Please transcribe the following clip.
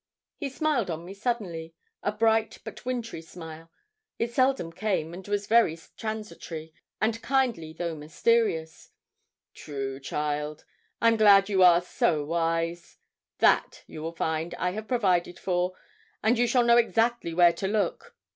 He smiled on me suddenly a bright but wintry smile it seldom came, and was very transitory, and kindly though mysterious. 'True, child; I'm glad you are so wise; that, you will find, I have provided for, and you shall know exactly where to look.